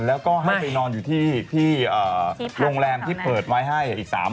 แล้วก็ให้ไปนอนอยู่ที่โรงแรมที่เปิดไว้ให้อีก๓คน